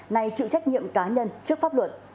nay chịu trách nhiệm cá nhân trước pháp luật